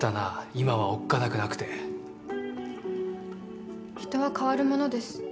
今はおっかなくなくて人は変わるものです